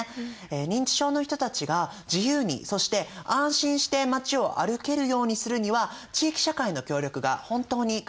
認知症の人たちが自由にそして安心して街を歩けるようにするには地域社会の協力が本当に欠かせません。